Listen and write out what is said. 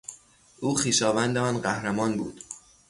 او خویشاوند آن قهرمان بود.